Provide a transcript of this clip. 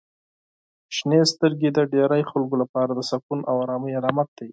• شنې سترګې د ډیری خلکو لپاره د سکون او آرامۍ علامت دي.